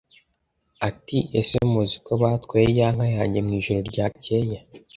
Ati Ese muzi ko batwaye ya nka yanjye mwijoro ryacyeye